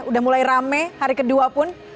udah mulai rame hari ke dua pun